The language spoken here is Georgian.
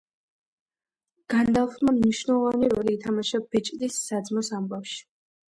განდალფმა მნიშვნელოვანი როლი ითამაშა ბეჭდის საძმოს ამბავში.